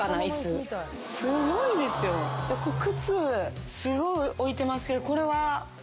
靴すごい置いてますけどこれは。